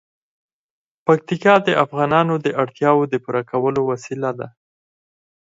پکتیکا د افغانانو د اړتیاوو د پوره کولو وسیله ده.